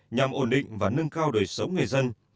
nhằm ổn định và nâng cao đời sống người dân